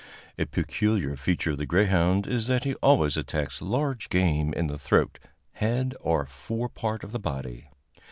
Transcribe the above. A peculiar feature of the greyhound is that he always attacks large game in the throat, head or fore part of the body.